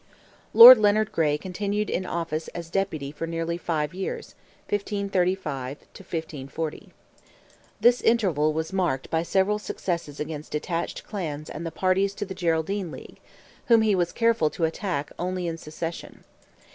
Lord Leonard Gray continued in office as Deputy for nearly five years (1535 40). This interval was marked by several successes against detached clans and the parties to the Geraldine league, whom he was careful to attack only in succession.